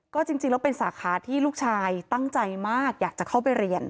ก็จริงแล้วเป็นสาขาที่ลูกชายตั้งใจมากอยากจะเข้าไปเรียน